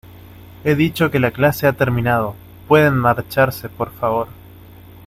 he dicho que la clase ha terminado. pueden marcharse, por favor .